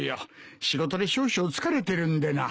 仕事で少々疲れてるんでな。